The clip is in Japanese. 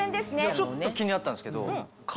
ちょっと気になったんですけど。